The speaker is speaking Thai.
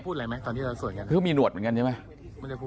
พูดอะไรไหมตอนนี้เราสวยงั้นคือมีหนวดเหมือนกันใช่ไหม